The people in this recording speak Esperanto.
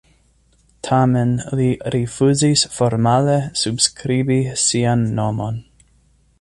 Tamen li rifuzis formale subskribi sian nomon.